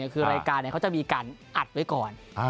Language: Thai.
คือรายการเขาจะมีการอัดไว้ก่อน